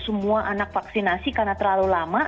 semua anak vaksinasi karena terlalu lama